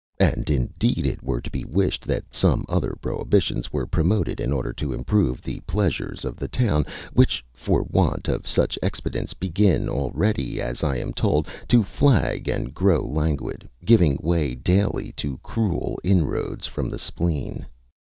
And indeed it were to be wished that some other prohibitions were promoted, in order to improve the pleasures of the town, which, for want of such expedients, begin already, as I am told, to flag and grow languid, giving way daily to cruel inroads from the spleen.